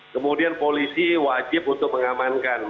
kemudian polisi wajib untuk mengamankan